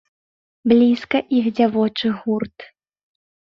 Блізка іх дзявочы гурт.